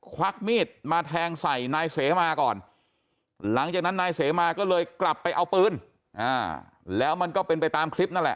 ควักมีดมาแทงใส่นายเสมาก่อนหลังจากนั้นนายเสมาก็เลยกลับไปเอาปืนแล้วมันก็เป็นไปตามคลิปนั่นแหละ